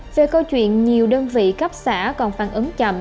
về câu chuyện nhiều đơn vị cấp xã còn phản ứng chậm